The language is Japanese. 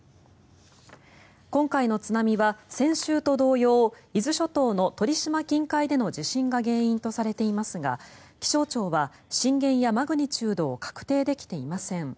今回の津波は先週と同様伊豆諸島の鳥島近海での地震が原因とされていますが気象庁は震源やマグニチュードを確定できていません。